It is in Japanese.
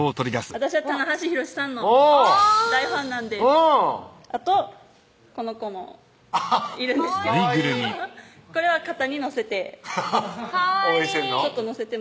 私は棚橋弘至さんの大ファンなんであとこの子もいるんですけどかわいいこれは肩に乗せて応援してんの？